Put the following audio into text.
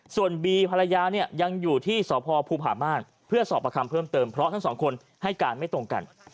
ส่วนบีภรรยาเนี่ยยังอยู่ที่สพภูผาม่านเพื่อสอบประคำเพิ่มเติมเพราะทั้งสองคนให้การไม่ตรงกัน